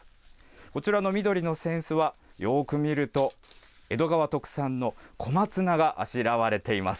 こちらの緑の扇子は、よーく見ると、江戸川特産の小松菜があしらわれています。